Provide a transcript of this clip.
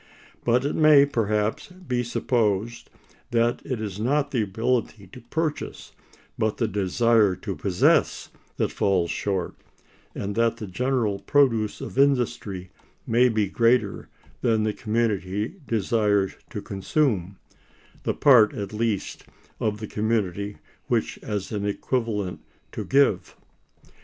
But it may, perhaps, be supposed that it is not the ability to purchase, but the desire to possess, that falls short, and that the general produce of industry may be greater than the community desires to consume—the part, at least, of the community which has an equivalent to give.